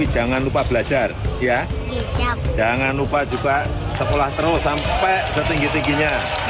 jangan lupa juga sekolah terus sampai setinggi tingginya